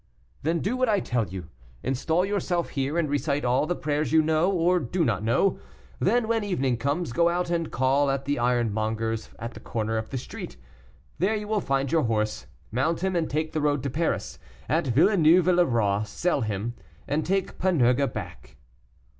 "Then do what I tell you. Install yourself here, and recite all the prayers you know, or do not know; then, when evening comes, go out and call at the ironmonger's at the corner of the street. There you will find your horse; mount him, and take the road to Paris; at Villeneuve le Roi sell him, and take Panurge back."